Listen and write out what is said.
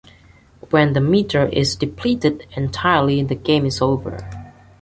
When the meter is depleted entirely the game is over.